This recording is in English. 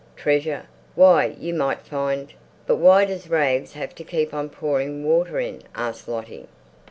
Treasure. Why—you might find—" "But why does Rags have to keep on pouring water in?" asked Lottie.